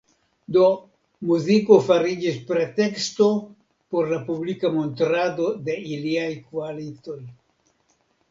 Do muziko fariĝis preteksto por la publika montrado de iliaj kvalitoj.